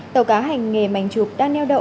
tàu cá hành nghề mảnh chụp đang đeo đậu